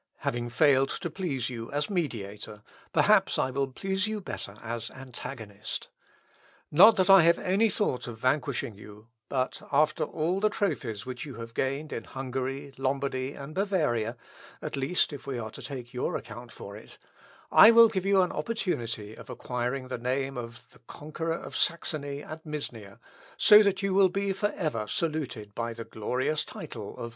Having failed to please you as mediator, perhaps I will please you better as antagonist. Not that I have any thought of vanquishing you, but after all the trophies which you have gained in Hungary, Lombardy, and Bavaria, (at least if we are to take your account for it,) I will give you an opportunity of acquiring the name of the conqueror of Saxony and Misnia, so that you will be for ever saluted by the glorious title of Augustus."